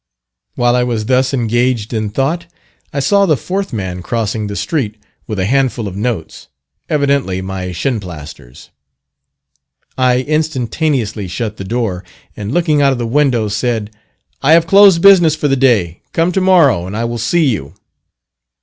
While I was thus engaged in thought, I saw the fourth man crossing the street, with a handful of notes, evidently my "Shinplasters." I instantaneously shut the door, and looking out of the window, said, "I have closed business for the day: come to morrow and I will see you."